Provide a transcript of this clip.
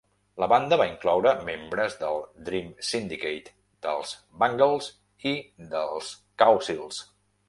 La banda va incloure membres del Dream Syndicate, dels Bangles i dels Cowsills.